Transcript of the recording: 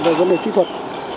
về vấn đề kỹ thuật